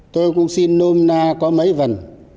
tôi cũng xin nôm na có mấy vần